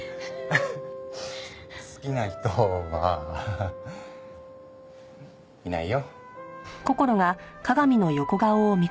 好きな人はいないよ。